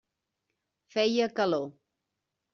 Feia calor.